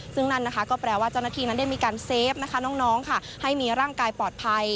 ซึ่งก็แปลว่าเจ้าหน้าทีนั้นในมีการเซฟให้มีร่างกายปลอดภัย